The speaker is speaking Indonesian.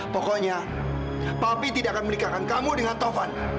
pokoknya papi tidak akan menikahkan kamu dengan tovan